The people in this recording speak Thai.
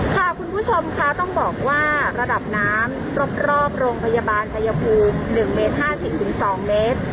ค่ะคุณผู้ชมคะต้องบอกว่าระดับน้ำรอบรองพยาบาลพยภูมิหนึ่งเมตรห้าสิบถึงสองเม็ด